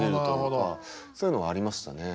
そういうのはありましたね。